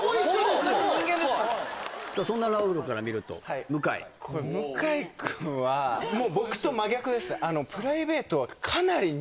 そんなラウールから見ると向井これ向井くんはもうなんですよ